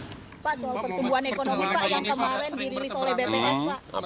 pak soal pertumbuhan ekonomi pak yang kemarin dirilis oleh bps pak